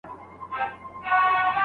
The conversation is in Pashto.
کفاره کي انسان نه ورکول کیږي.